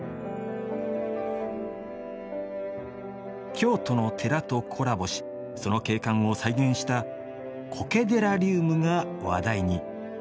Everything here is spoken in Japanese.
京都の寺とコラボしその景観を再現した「コケ寺リウム」が話題に。